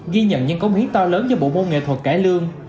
ghi nhận những cấu hiến to lớn do bộ môn nghệ thuật cải lương